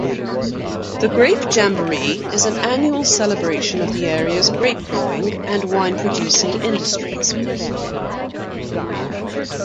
The Grape Jamboree is an annual celebration of the area's grape-growing and wine-producing industries.